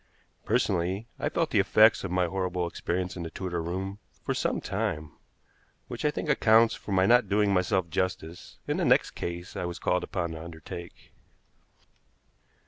Personally, I felt the effects of my horrible experience in the Tudor room for some time, which I think accounts for my not doing myself justice in the next case I was called upon to undertake.